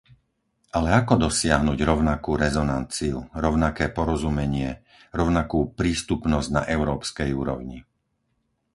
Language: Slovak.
Ale ako dosiahnuť rovnakú rezonanciu, rovnaké porozumenie, rovnakú prístupnosť na európskej úrovni?